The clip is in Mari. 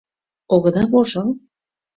Огыда вожыл?